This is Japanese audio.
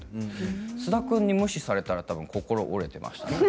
菅田君に、無視されたら心折れていた。